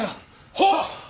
はっ！